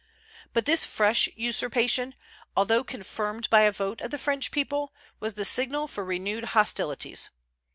But this fresh usurpation, although confirmed by a vote of the French people, was the signal for renewed hostilities.